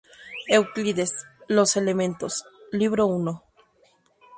Euclides: "Los Elementos", Libro I